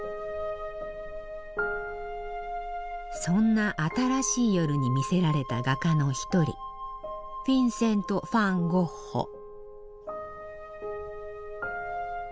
そんな新しい夜に魅せられた画家の一人フィンセント・ファン・ゴッホ。